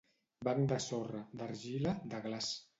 Banc de sorra, d'argila, de glaç.